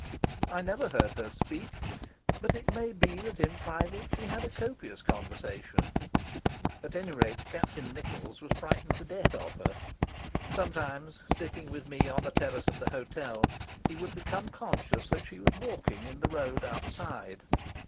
I never heard her speak, but it may be that in private she had a copious conversation. At any rate, Captain Nichols was frightened to death of her. Sometimes, sitting with me on the terrace of the hotel, he would become conscious that she was walking in the road outside.